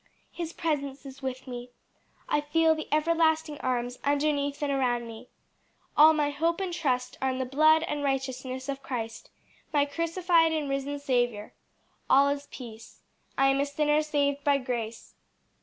"His presence is with me. I feel the everlasting arms underneath and around me. All my hope and trust are in the blood and righteousness of Christ, my crucified and risen Saviour. All is peace. I am a sinner saved by grace.